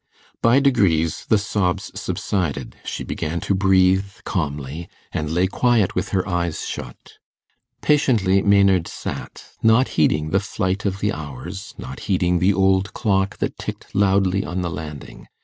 By degrees the sobs subsided, she began to breathe calmly, and lay quiet with her eyes shut. Patiently Maynard sat, not heeding the flight of the hours, not heeding the old clock that ticked loudly on the landing.